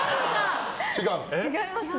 違いますね。